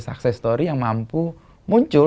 sukses story yang mampu muncul